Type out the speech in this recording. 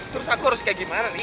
terus aku harus kayak gimana nih